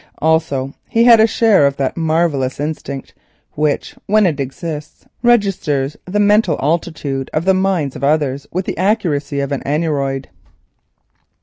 Also he had a share of that marvellous instinct which, when it exists, registers the mental altitude of the minds of others with the accuracy of an aneroid.